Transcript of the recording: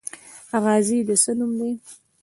غازی د څه نوم دی؟